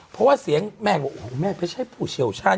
เพราะมายูนี่์ว่าแม่ไม่ใช่ผู้เฉียวชาญ